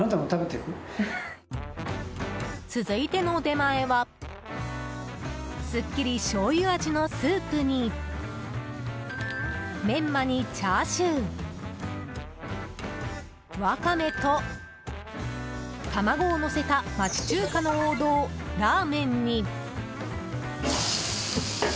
続いての出前はすっきりしょうゆ味のスープにメンマにチャーシューワカメと卵をのせた町中華の王道、ラーメンに。